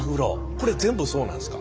これ全部そうなんですか？